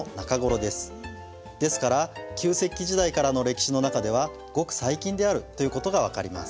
ですから旧石器時代からの歴史の中ではごく最近であるということが分かります。